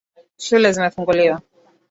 Shule zimefunguliwa